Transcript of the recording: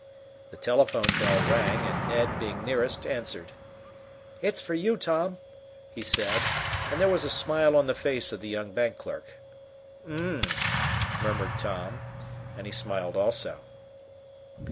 The telephone bell rang, and Ned, being nearest, answered. "It's for you, Tom," he said, and there was a smile on the face of the young bank clerk. "Um!" murmured Tom, and he smiled also.